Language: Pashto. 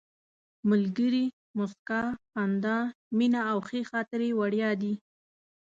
ملګري، موسکا، خندا، مینه او ښې خاطرې وړیا دي.